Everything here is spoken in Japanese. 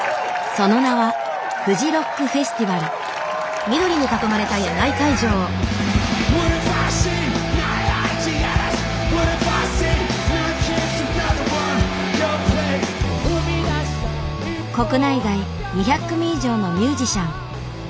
その名は国内外２００組以上のミュージシャン。